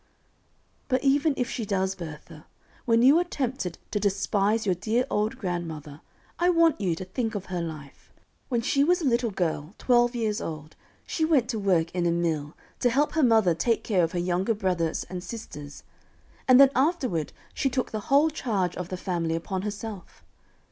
"But even if she does, Bertha, when you are tempted to despise your dear old grandmother, I want you to think of her life. When she was a little girl, twelve years old, she went to work in a mill, to help her mother take care of her younger brothers and sisters, and then afterward she took the whole charge of the family upon herself.